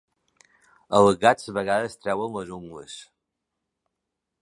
Els gats a vegades treuen les ungles.